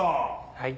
はい。